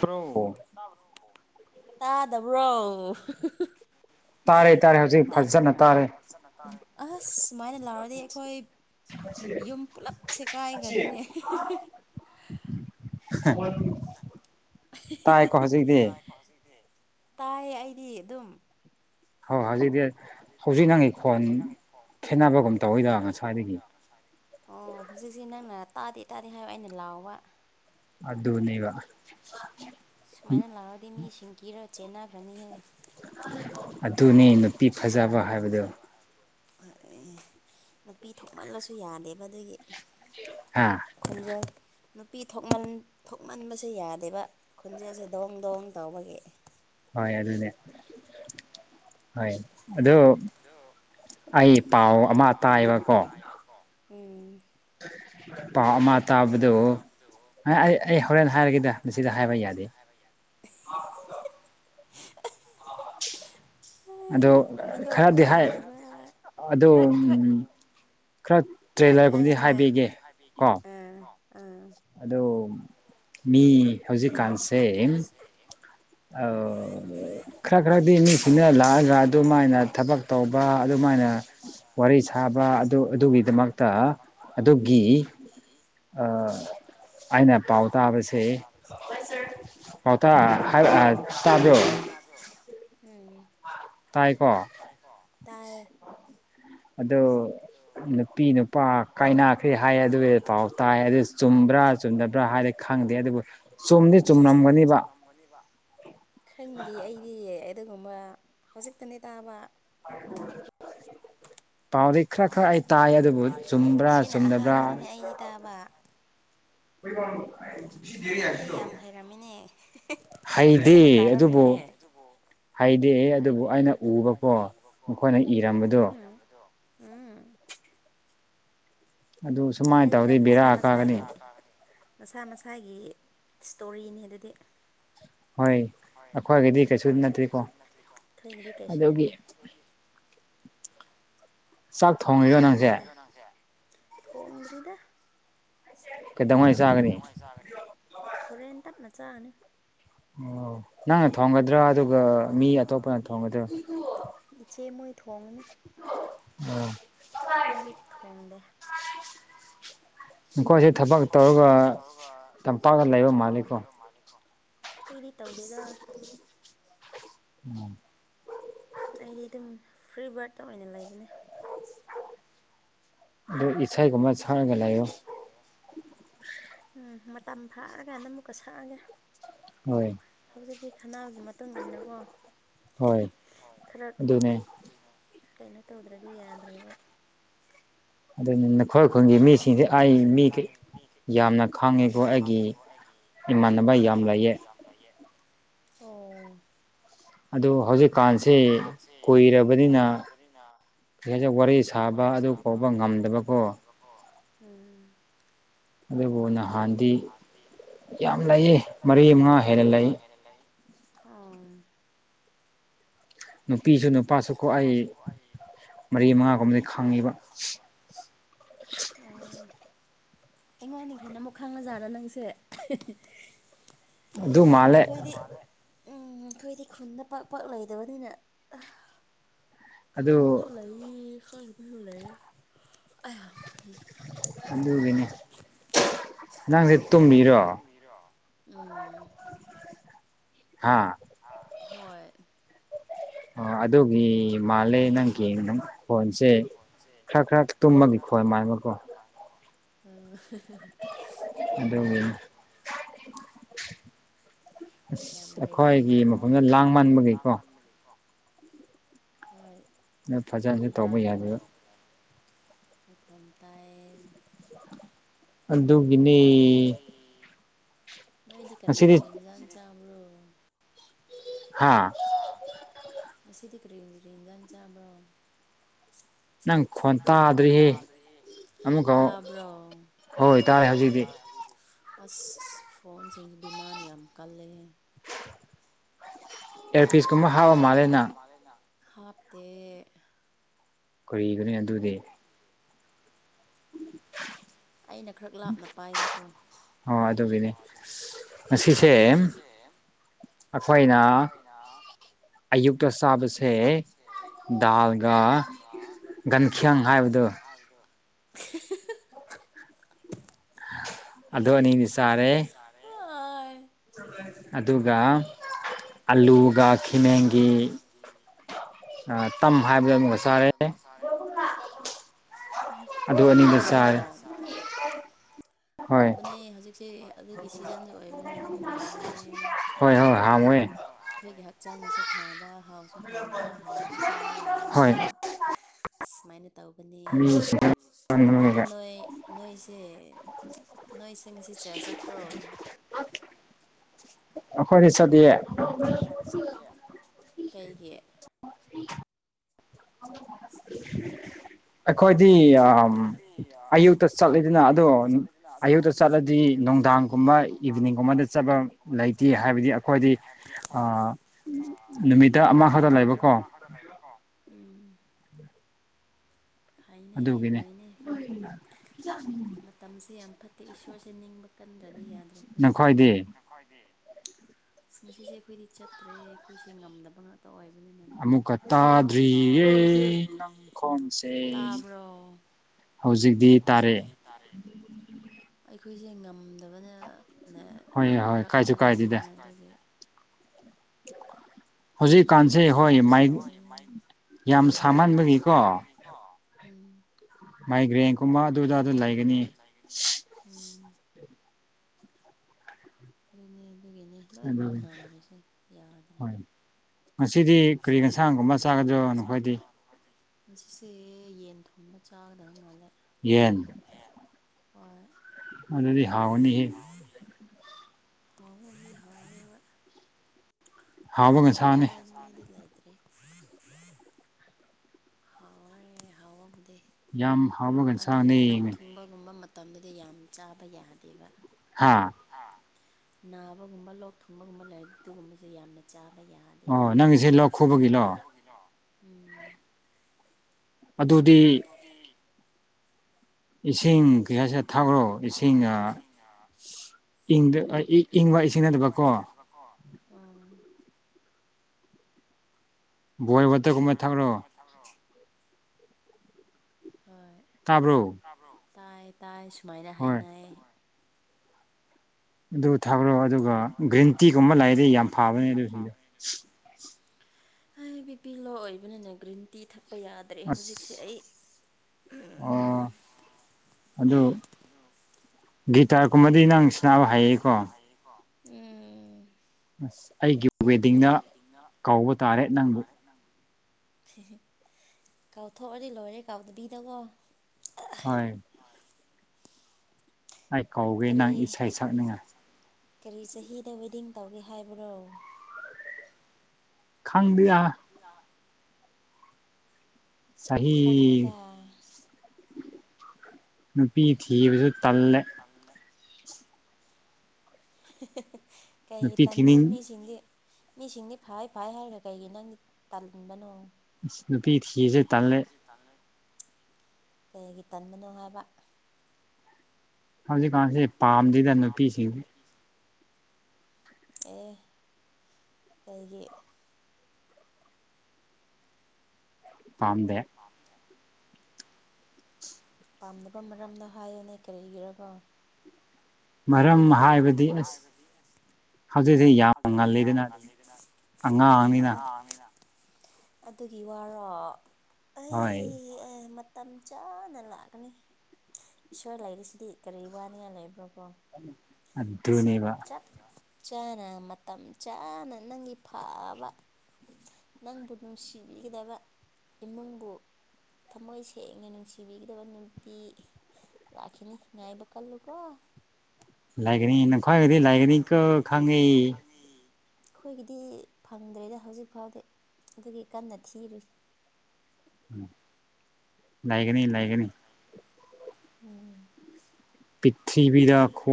ꯐ꯭ꯔꯣ ꯇꯥꯗꯕ꯭ꯔꯣ ꯇꯔꯥꯏ ꯑꯁ ꯁꯨꯃꯥꯏꯅ ꯂꯥꯎꯔꯗꯤ ꯑꯩꯈꯣꯏ ꯌꯨꯝ ꯄꯨꯂꯞꯁꯦ ꯀꯥꯏꯈ꯭ꯔꯅꯤꯅꯦ [unintelligible] ꯇꯥꯏ ꯑꯩꯗꯤ ꯑꯗꯨꯝ ꯍꯣꯏ ꯍꯧꯖꯤꯛꯇꯤ ꯍꯧꯖꯤꯛ ꯅꯪꯒꯤ ꯈꯣꯟ ꯈꯦꯠꯅꯕꯒꯨꯝ ꯇꯧꯋꯤꯗ ꯉꯁꯥꯏꯗꯒꯤ ꯍ ꯁꯔ [unintelligible] ꯑꯣ ꯍꯧꯖꯤꯛꯁꯤ ꯅꯪꯅ ꯇꯥꯗꯦ ꯇꯥꯗꯦ ꯍꯥꯏꯕ ꯑꯩꯅ ꯂꯥꯎꯕ ꯑꯗꯨ ꯑꯗꯨꯅꯤꯒ ꯁꯨꯃꯥꯏꯅ ꯂꯥꯛꯑꯗꯤ ꯃꯤꯁꯤꯡ ꯀꯤꯔ ꯆꯦꯟꯅꯈ꯭ꯔꯅꯤꯍꯦ ꯑꯗꯨꯅꯤ ꯅꯨꯄꯤ ꯐꯖꯕ ꯍꯥꯏꯕꯗꯣ ꯅꯥꯄꯤ ꯊ ꯊꯣꯛꯃꯜꯂꯁꯨ ꯌꯥꯗꯦꯕ ꯑꯗꯨꯒꯤ ꯑꯥ [unintelligible] ꯈꯜꯂꯦ ꯅꯨꯄꯤ ꯊꯣꯛꯃꯟꯕꯁꯦ ꯌꯥꯗꯦꯕ ꯈꯨꯣꯟꯖꯦꯜꯁꯦ ꯗꯋꯣꯡ ꯗꯋꯣꯡ ꯇꯧꯕꯒꯤ ꯍ ꯑꯗꯨ ꯑꯗꯨꯅꯦ ꯍꯣꯏ ꯑꯗꯨ ꯑꯩ ꯄꯥꯎ ꯑꯃ ꯇꯥꯏꯕꯀꯣ ꯍꯥꯏꯕ ꯀꯣ ꯑ [unintelligible] ꯄ ꯃꯥ ꯄꯥꯎ ꯑꯃ ꯇꯥꯕꯗꯨ ꯑꯩ ꯑꯩ ꯍꯣꯔꯦꯟ ꯍꯥꯏꯔꯒꯦꯗ ꯃꯁꯤꯗ ꯍꯥꯏꯕ ꯌꯥꯗꯒꯦ ꯑꯗꯣ ꯈꯔꯗꯤ ꯍꯥꯏ ꯑꯗꯨꯝ ꯍꯥꯏꯌꯦꯌꯡ ꯍꯥꯏ ꯑꯥ ꯑꯥ ꯑꯗꯣ ꯃꯤ ꯃꯤ ꯍꯧꯖꯤꯛꯀꯥꯟꯁꯦ ꯈꯔ ꯈꯔꯗꯤ ꯃꯤꯁꯤꯅ ꯂꯥꯛꯑꯒ ꯑꯗꯨꯃꯥꯏꯅ ꯊꯕꯛ ꯇꯧꯕ ꯑꯗꯨꯃꯥꯏꯅ ꯑꯗꯨꯃꯥꯏꯅ ꯋꯥꯔꯤ ꯁꯥꯕ ꯑꯗꯨ ꯑꯗꯨꯒꯤꯗꯃꯛꯇ ꯑꯗꯨꯒꯤ ꯎꯝ ꯑꯩꯅ ꯄꯥꯎ ꯇꯥꯕꯁꯦ ꯆꯥꯗꯣ ꯇꯥꯕꯔꯣ ꯎꯝ ꯇꯥꯏꯀꯣ ꯇꯥꯏꯌꯦ ꯑꯗꯨ ꯅꯨꯄꯤ ꯅꯨꯄꯥ ꯀꯥꯏꯅꯈ꯭ꯔꯦ ꯍꯥꯏ ꯑꯗꯨ ꯄꯥꯎ ꯇꯥꯏ ꯑꯗꯨ ꯆꯨꯝꯕ꯭ꯔꯥ ꯆꯨꯝꯗꯅꯕ꯭ꯔꯥ ꯍꯥꯏ ꯗ ꯈ꯭ꯔ ꯍꯥꯏꯗꯤ ꯈꯪꯗꯦ ꯑꯗꯨꯕꯨ ꯆꯨꯝꯗꯤ ꯆꯨꯝꯅꯝꯒꯅꯤꯕ ꯈꯪꯗꯦ ꯑꯩꯗꯤ ꯑꯗꯨꯒꯨꯝꯕ ꯍꯧꯖꯤꯛꯇꯅꯦ ꯇꯥꯕ [inaudible] ꯄꯥꯎꯗꯤ ꯈꯔ ꯈꯔ ꯑꯩ ꯇꯥꯏ ꯑꯗꯨꯕꯨ ꯆꯨꯝꯕ꯭ꯔꯥ ꯆꯨꯝꯗꯕ꯭ꯔꯥ ꯑꯩꯗꯤ ꯇꯥꯕꯔ ꯗꯔꯤ ꯍꯥꯏꯁꯤ ꯍꯩꯗꯤꯦ ꯑꯗꯨꯕꯨ ꯍꯩꯗꯦ ꯑꯗꯨꯕꯨ ꯑꯩꯅ ꯎꯕꯀꯣ ꯃꯈꯣꯏꯅ ꯏꯔꯝꯕꯗꯣ ꯇꯥꯏ ꯇ ꯃꯁꯥ ꯃꯁꯥꯒꯤ ꯃꯁꯥ ꯃꯁꯥꯒꯤ ꯏꯁꯇꯣꯔꯤꯅꯤ ꯑꯗꯨꯗꯤ ꯍꯣꯏ ꯑꯩꯣꯏꯗꯤꯩꯠꯇꯀ ꯑꯩꯣꯏꯗꯤ ꯀꯩꯁꯨ ꯅꯠꯇꯦ [inaudible] ꯊꯣꯡꯕꯔꯤꯗ ꯈꯣꯔꯦꯟꯦꯟ ꯇꯞꯅꯆꯥ ꯑ ꯑꯣ ꯅꯪꯅ ꯊꯣꯡꯒꯗ꯭ꯔꯥ ꯑꯗꯨꯒ ꯃꯤ ꯑꯇꯣꯞꯄꯅ ꯊꯣꯡꯒꯗ꯭ꯔꯥ ꯏꯆꯦ ꯃꯣꯏ ꯊꯣꯡꯉꯅꯤ ꯑꯩꯗꯤ ꯊꯣꯡꯗꯦ ꯀꯣ ꯃꯈꯈꯣꯏꯁꯦ ꯊꯕꯛ ꯇꯧꯔꯒ ꯇꯝꯄꯥꯛꯇ ꯂꯩꯕ ꯃꯥꯜꯂꯤꯀꯣ ꯑꯩꯗꯤ ꯇꯧꯗꯦꯗ ꯎꯝ ꯑꯩꯗꯤ ꯑꯗꯨꯝ ꯐ꯭ꯔꯤ ꯕꯥꯔꯠꯇ ꯑꯣꯏꯅ ꯂꯩꯕꯅꯦ ꯑꯗꯨ ꯔ ꯏꯆꯥꯥꯏ ꯈꯨꯝꯃ ꯁꯥ ꯃꯗ ꯂꯣꯁ ꯎꯝ ꯃꯇꯝ ꯐꯥꯔꯒ ꯅ ꯑꯃꯨꯛꯀ ꯁꯛꯑꯒꯦ ꯍꯣꯏ ꯍꯧꯖꯤꯛꯇꯤ ꯈꯟꯅꯕꯒꯤ ꯃꯇꯨꯡ ꯏꯟꯅꯀꯣ ꯈꯔ ꯀꯩꯅꯣ ꯇꯧꯗ꯭ꯔꯗꯤ ꯌꯥꯗ꯭ꯔꯦꯕ ꯑꯗꯨꯗꯅ ꯑꯩꯈꯣꯏ ꯈꯨꯟꯒꯤ ꯃꯤꯁꯤꯡꯁꯦ ꯑꯩ ꯃꯤ ꯌꯥꯝꯅ ꯈꯪꯉꯤꯀꯣ ꯑꯩꯒꯤ ꯏꯃꯥꯟꯅꯕ ꯌꯥꯝ ꯂꯩꯌꯦꯦ ꯑꯣ ꯑꯗꯨ ꯍꯧꯖꯤꯛꯀꯥꯟꯁꯤ ꯀꯨꯏꯔꯕꯅꯤꯅ ꯔꯤꯅ ꯁꯦ [unintelligible] ꯋꯥꯔꯤ ꯁꯥꯕ ꯑꯗꯨ ꯀꯧꯕ ꯉꯝꯗꯕꯀꯣ ꯎꯝ ꯑꯗꯨꯕꯨ ꯅꯍꯥꯟꯗꯤ ꯌꯥꯝ ꯂꯩꯌꯦ ꯃꯔꯤ ꯃꯉꯥ ꯍꯦꯟꯅ ꯂꯩ ꯔ [unintelligible] ꯑꯥ [unintelligible] ꯅꯨꯄꯤꯁꯨ ꯅꯨꯄꯥꯁꯨꯀꯣ ꯑꯩ ꯃꯔꯤ ꯃꯉꯥꯒꯨꯝꯕꯗꯤ ꯈꯪꯉꯤꯕ ꯑꯣ ꯑꯩꯉꯣꯟꯗꯒꯤ ꯍꯦꯟꯅ ꯑꯃꯨꯛ ꯈꯪꯅꯖꯥꯔꯣ ꯅꯪꯁꯦ ꯑꯩꯈꯣꯏꯗꯤ ꯑꯩꯈꯣꯏꯗꯤ ꯈꯨꯟꯗ ꯄꯥꯛ ꯄꯥꯛ ꯂꯩꯇꯕꯅꯤꯅ ꯈꯪꯕꯁꯨ ꯂꯩꯥꯏ ꯈꯪꯕꯁꯨ ꯂꯩ ꯑꯋꯥ ꯑꯗꯨꯒꯤꯅꯤ ꯅꯪꯗꯤ ꯅꯪꯗꯤ ꯇꯨꯝꯃꯤꯔꯣ ꯍꯥꯥ ꯍꯣꯏ ꯑꫭ ꯑꯗꯨꯒꯤ ꯃꯥꯜꯂꯦ ꯅꯪꯒꯤ ꯅꯪ ꯐꯣꯟꯁꯦ ꯈꯔ ꯈꯔ ꯈꯔ ꯈꯔ ꯇꯨꯝꯕꯒꯤꯅꯤ ꯌꯥꯝ ꯍꯩꯔꯝꯃꯤꯅ ꯅꯪꯗꯤ ꯍꯣꯏ ꯈꯔꯈꯛꯇꯤ ꯂꯥꯡꯕ ꯃꯈꯣꯟ ꯇꯥꯏꯌꯦ ꯑꯗꯨꯒꯤꯅꯤ ꯅꫭꯏꯗꯤ ꯀꯔꯤ ꯀꯔꯤ ꯍꯟꯖꯥꯡ ꯆꯥꯕꯔꫭ ꯍꯥꯥ ꯉꯁꯤꯗꯤ ꯀꯔꯤ ꯍꯤꯟꯖꯥꯡ ꯆꯥꯕ꯭ꯔꯣ ꯅꯪ ꯈꯣꯟ ꯇꯥꯗ꯭ꯔꯦꯍꯦ ꯇꯥꯕ꯭ꯔꯣ ꯍꯣꯏ ꯇꯥꯏ‌ ꯍꯧꯖꯤꯛꯇꯤ ꯑꯁ ꯐꯣꯟꯁꯤꯡꯁꯨ ꯗꯤꯃꯥꯟ ꯌꯥꯝ ꯀꯜꯂꯦꯍꯦ ꯏꯌꯥꯔꯄꯤꯁꯀꯨꯝꯕ ꯍꯥꯞꯄ ꯃꯥꯜꯂꯦ ꯅꯪ ꯃꯥꯜꯂ‌ꯦꯅ ꯍꯥꯞꯇꯦ ꯀꯔꯤꯒꯤꯅꯤ ꯑꯗꯨꯗꯤ ꯑꯩꯅ ꯈꯔ ꯂꯥꯞꯅ ꯄꯥꯏꯕꯀꯣ ꯑꯣ ꯑꯗꯨꯒꯤꯅꯦ ꯉꯁꯤꯁꯦ ꯑꯩꯈꯣꯏꯅ ꯑꯌꯨꯛ ꯑꯌꯨꯛꯇ ꯆꯥꯕꯁꯦ ꯗꯥꯜꯒ ꯈ [unintelligible] ꯡ ꯍꯥꯏꯕꯗꯣ ꯍꯥꯏꯕꯗꫭ ꯑꯗ ꯅꯁ [unintelligible] ꯑ [unintelligible] ꯑꯗꯨꯒ ꯑꯂꯨꯒ ꯈꯤꯃꯦꯟꯒꯤ ꯄꯅꯒꯤ [unintelligible] ꯑꯥ ꯇꯝ ꯍꯥꯏꯕꯔꯥ ꯑꯗꯨꯒ ꯆꯥꯔꯦ ꯁꯔꯦ [unintelligible] [unintelligible] ꯑꯗꯨ ꯑꯅꯤꯗ ꯆꯥꯔꯦ ꯍꯥꯎꯕꯅꯦ ꯍꯧꯖꯤꯛꯁꯦ ꯑꯗꯨꯒꯤ ꯁꯤꯖꯟꯁꯨ ꯑꯣꯏꯕꯅꯤꯅ ꯑꯗꯨꯝ ꯍꯥꯎꯕꯅꯦ ꯊꯒꯦ ꯍꯥ ꯆꯪꯁ [unintelligible] ꯐꯕ ꯍꯥꯎꯁꯨ ꯍꯥꯎꯕ ꯍꯥꯎꯅꯁꯨ ꯆꯥꯕ ꯌꯥꯕ ꯁꯨꯃꯥꯏꯅ ꯇꯧꯕꯅꯤ ꯑꯗꯨ ꯅꯣꯏ ꯅꯣꯏꯁꯦ ꯅꯣꯏꯁ‌ꯦ ꯉꯁꯤ ꯆꯔ ꯆꯠꯄ꯭ꯔꯣ ꯑꯩꯈꯣꯏꯗꯤ ꯆꯠꯗꯤꯌ‌ꯦ ꯐꯔꯤ [unintelligible] ꯆꯗꯤ [unintelligible] ꯀꯩꯒꯤ [inaudible] ꯑꯩꯈꯣꯏꯗꯤ ꯌꯥꯝ ꯑꯌꯨꯛꯇ ꯆꯠꯂꯤꯗꯅ ꯑꯗꯣ ꯑꯌꯨꯛꯇ ꯆꯠꯂꯗꯤ ꯅꯨꯡꯗꯥꯡ ꯒꯨꯝꯕ ꯏꯚꯤꯅꯤꯡꯒꯨꯝꯕꯗ ꯆꯠꯄ ꯂꯩꯇꯦ ꯍꯥꯏꯕꯗꯤ ꯑꯩꯈꯣꯏꯗꯤ ꯑꯥ ꯅꯨꯃꯤꯠꯇ ꯑꯃꯈꯛꯇ ꯂꯩꯕꯀꯣ ꯃꯈꯥꯗ ꯂꯩꯕꯀꯣ ꯎꯝ ꯐꯩꯅꯦ ꯐꯩꯅꯦ [inaudible] ꯃꯇꯝꯁꯦ ꯌꯥꯝ ꯐꯠꯇꯦ ꯏꯁꯣꯔꯁꯦ ꯅꯤꯡꯕ ꯀꯟꯗ꯭ꯔꯗꯤ ꯌꯥꯗ꯭ꯔꯦ ꯑꯈꯣꯏꯁꯦ ꯈꯣꯢꯗꯤ ꯑꯁ ꯉꯁꯤꯁꯦ ꯑꯩꯈꯣꯏꯗꯤ ꯆꯠꯇ꯭ꯔꯦ ꯑꯩꯈꯣꯏꯁꯦ ꯉꯝꯗꯕ ꯉꯥꯛ ꯇ ꯑꯣꯏꯕꯅꯤꯅ ꯑꯗꯨꯒꯤ ꯑꯃꯨꯛꯀ ꯇꯥꯗꯔꯤꯌꯦ ꯇꯥꯕ꯭ꯔꯣ ꯍꯧꯖꯤꯛ ꯍꯧꯖꯤꯛꯇꯤ ꯇꯥꯔꯦ ꯑꯩꯈꯣꯏꯁꯦ ꯉꯝꯗꯕꯅꯦ ꯅꯦ ꯈꯔ ꯀꯩꯅꯣ ꯇꯧꯕꯅꯤꯅ ꯑꯗꯒꯤ ꯀꯩꯁꯨ ꯀꯥꯢꯗꯦꯗ ꯍꯧꯖꯤꯀꯥꯟꯁꯦ ꯍꯣꯏ ꯃꯥꯏꯗ ꯌꯥꯝ ꯁꯥꯃꯟꯕꯒꯤꯀꯣ ꯀꯣ ꯎꯝ ꯃꯥꯏꯒ꯭ꯔꯦꯟꯒꯨꯝꯕ ꯑꯗꯨꯗ ꯑꯗꯨ ꯂꯩꯒꯅꯤ ꯂꯩꯒꯅꯤ ꯎꯝ ꯑꯗꯨꯅꯦ ꯑꯗꯨꯒꯤꯅꯦ ꯂꯣꯏꯅꯃꯛ ꯅꯥꯔꯤꯁꯦ ꯌꯥꯗ꯭ꯔꯦ ꯉꯁꯤꯗꯤ ꯀꯔꯤ ꯏꯟꯁꯥꯡꯒꯨꯝꯕ ꯆꯥꯒꯗ꯭ꯔꯣ ꯅꯈꯣꯏꯗꯤ ꯉꯥꯁꯤꯁꯦ ꯌꯦꯟ ꯊꯣꯡꯕ ꯆꯥꯒꯗꯕ ꯃꯥꯜꯂꯦ ꯌꯦꯟ ꯌꯦꯟ ꯍꯣꯏ ꯑꯗꯨꯗꯤ ꯍꯥꯎꯅꯤꯍꯦ ꯍꯥꯎ ꯋꯨꯅꯤ ꯍꯥꯎꯋꯦꯕ ꯍꯥꯎꯗ꯭ꯔꯉꯥꯏ ꯃꯤꯗꯤ ꯂꯩꯇꯔꯦ ꯍꯥꯎꯔꯣꯢ ꯍꯥꯎꯕꯨꯗꯤ ꯑꯗꯨꯕꯨ ꯂꯣꯛ ꯊꯨꯡꯕꯒꯨꯝꯕ ꯃꯇ ꯃꯇꯝꯗꯗꯤ ꯌꯥꯝ ꯆꯥꯕ ꯌꯥꯗꯦꯕ ꯍꯥꯥ ꯍꯥ ꯅꯥꯕꯒꯨꯝꯕ ꯂꯣꯛ ꯊꯨꯡꯕꯒꯨꯝꯕ ꯂꯩꯔꯗꯤ ꯑꯗꯨꯒꯨꯝꯕꯁꯨ ꯌꯥꯝꯅ ꯆꯥꯕ ꯌꯥꯗꯦꯕ ꯑꯣ ꯅꯡꯁꯦ ꯂꯣꯛ ꯈꯨꯕꯒꯤ ꯔꯣ ꯎꯝ ꯑꯗꯨꯗꯤ ꯑꯗꯨꯗꯤ ꯏꯁꯤꯡ ꯀꯔꯤ ꯍꯥꯌꯁꯤꯔ ꯊꯥꯈ꯭ꯔꯣ ꯏꯁꯤꯡ ꯑꯥ ꯏꯪꯗꯦ ꯑꯥ ꯏꯪꯕ ꯏꯁꯤꯡ ꯅꯗꯕꯀꯣ ꯀꯣ ꯎꯝ ꯕꯣꯏ ꯋꯥꯇꯔꯒꯨꯝꯕ ꯊꯛꯔꯣ ꯊꯛꯔꯣ [unintelligible] ꯍꯣꯏ ꯇꯥꯕ꯭ꯔꯣ ꯇꯥꯕ꯭ꯔꯣ ꯇꯥꯏ ꯇꯥꯏ ꯁꯨꯃꯥꯏꯅ ꯍꯥꯏꯅꯩ ꯑꯗꯨ ꯊꯛꯔꯣ ꯑꯗꯨꯒ ꯒ꯭ꯔꯤꯟꯇꯤ ꯒꯨꯝꯕ ꯂꯩꯔꯗꯤ ꯌꯥꯝ ꯐꯥꯕꯅꯦ ꯑꯗꯨ ꯁꯤꯡꯗꯨ ꯑꯩ ꯕꯤ ꯄꯤ ꯂꯣ ꯑꯣꯏꯕꯅꯤꯅꯦ ꯒ꯭ꯔꯤꯟ ꯇꯤ ꯊꯛꯄ ꯌꯥꯗꯦ ꯗꯔꯦ ꯍꯧꯖꯤꯛꯁꯦ ꯑꯩ ꯎꯝ ꯑꯗꯨ ꯒꯤꯇꯥꯔ ꯒꯨꯝꯕꯗꯤ ꯅꯪ ꯁꯥꯅꯕ ꯍꯥꯏꯌꯦꯀꯣ ꯍꯩꯌꯦꯀꯣ [unintelligible] ꯎꯝ ꯑꯁ ꯑꯩꯒꯤ ꯑꯩꯒꯤ ꯋꯦꯗꯤꯡꯗ ꯀꯧꯕ ꯇꯥꯔꯦ ꯅꯪ ꯀꯥꯎꯊꯣꯛꯑꯗꯤ ꯂꯣꯏꯔꯦ ꯀꯥꯎꯗꯕꯤꯗꯀꯣ ꯍꯣꯏ ꯀꯔꯤ ꯀꯔꯤ ꯆꯍꯤꯗ ꯋꯦꯗꯤꯡ ꯇꯧꯒꯦ ꯍꯥꯏꯕ꯭ꯔꯣ ꯈꯪꯗꯤꯌꯥ ꯑ [unintelligible] ꯈꯪꯉꯨꯗ ꯅꯨꯄꯤ ꯊꯤꯕꯁꯨ ꯇꯜꯂꯦ ꯇꯜꯂꯦ ꯀꯩ ꯇꯟꯕꯥ ꯃꯤꯁꯤꯡꯗꯤ ꯃꯤꯁꯤꯡꯗꯤ ꯐꯩ ꯐꯩ ꯍꯥꯏꯔꯒ ꯀꯩꯒꯤ ꯅꯪꯗꯤ ꯇꯟꯕꯅꯣ ꯅꯨꯄꯤ ꯊꯤꯕꯁꯦ ꯇꯜꯂꯦ ꯀꯩꯒꯤ ꯇꯟꯕꯅꯣ ꯍꯥꯏꯕ ꯍꯧꯖꯤꯛꯀꯥꯟꯁꯦ ꯄꯥꯃꯗꯦꯗꯥ ꯅꯨꯄꯤꯁꯤꯡ ꯀꯤꯁꯤ [unintelligible] ꯑꯦ ꯀꯩꯒꯤ ꯄꯥꯝꯗꯦ ꯄꯥꯝ ꯗꯦ ꯄꯥꯝꯅꯕ ꯃꯔꯝꯗꯣ ꯍꯥꯏꯌꯦꯅꯦ ꯀꯔꯤꯒꯤꯔꯒꯣ ꯃꯔꯝ ꯍꯥꯏꯕꯗꯤ ꯑꯁ ꯑꯗꯨꯗꯤ ꯌꯥꯝ ꯉꯜꯂꯤꯗ ꯅꯪ ꯑꯉꯥꯡꯅꯤꯅ ꯑꯗꯨꯒꯤ ꯋꯥꯔꯣ ꯑꯩ ꯑꯦ ꯃꯠ ꯃꯇꯝ ꯆꯥꯅ ꯂꯥꯛꯀꯅꯤ ꯏꯁꯣꯔ ꯂꯩꯔꯤꯁꯤꯗꯤ ꯀꯔꯤ ꯋꯥꯅꯤꯡꯉꯥꯏ ꯂꯩꯕ꯭ꯔꯣꯀꯣ [inaudible] ꯏꯁꯣꯔ ꯅꯇꯔꯠ ꯆꯥꯅ ꯃꯇꯝ ꯆꯥꯅ ꯅꯪꯒꯤ ꯐꯥꯕ ꯅꯪꯕꯨ ꯅꯨꯡꯁꯤꯕꯤꯒꯗꯕ ꯏꯃꯨꯡꯕꯨ ꯊꯃꯣꯏ ꯁꯦꯡꯅ ꯅꯨꯡꯁꯤꯕꯤꯒꯗꯕ ꯅꯨꯝꯇꯤ ꯂꯥꯛꯈꯅꯤ ꯉꯥꯏꯕ ꯀꯜꯂꯨꯀꯣ ꯂꯥꯏꯒꯅꯤ ꯅ ꯈ꯭ꯋꯥꯏꯕꯗꯤ ꯂꯥꯏꯒꯅꯤ ꯀꯣ ꯈꯪꯉꯦ ꯈꯨꯏꯒꯤꯗꯤ ꯐꯪꯗ꯭ꯔꯤꯗ ꯍꯧꯖꯤꯛ ꯐꯥꯎꯗꯤ ꯑꯗꯨꯒꯤ ꯀꯟꯅ ꯊꯤꯔꯤ ꯎꯝ ꯉꯥꯏꯒꯅꯤ ꯍꯥꯏꯒꯅꯤ ꯍꯥꯏꯒꯅꯤ ꯎꯝ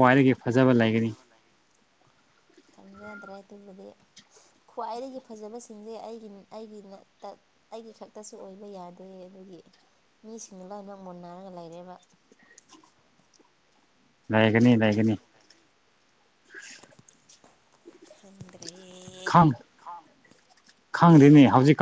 ꯗ ꯈ꯭ꯋꯥꯏꯗꯒꯤ ꯐꯖꯕ ꯂꯩꯒꯅꯤ ꯈꯪꯖꯗ꯭ꯔꯦ ꯑꯗꯨꯕꯨꯗꯤ ꯈ꯭ꯋꯥꯏꯗꯒꯤ ꯐꯖꯕꯁꯤꯡꯖꯦ ꯑꯩꯒꯤꯟ ꯑꯩꯒꯤꯅ ꯇꯛ ꯑꯩꯒꯤ ꯈꯛꯇꯁꯨ ꯑꯣꯏꯕ ꯌꯥꯗꯦ ꯑꯗꯨꯒꯤ ꯃꯤꯁꯤꯡ ꯂꯣꯏꯅꯛ ꯃꯨꯟꯅꯅꯥꯔꯒ ꯂꯩꯔꯦꯕ ꯂꯩꯥꯒꯅꯤ ꯂꯩꯒꯅꯤ ꯂꯥꯏꯒꯅꯤ ꯈꯪꯗ꯭ꯔꯦ ꯈꯥꯝꯃꯨ ꯈꯪꯗꯦꯅꯦ ꯍꯧꯖꯤꯛ ꯀ